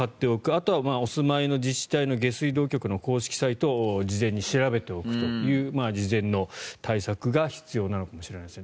あとはお住まいの自治体の下水道局の公式サイトを事前に調べておくという事前の対策が必要なのかもしれないです。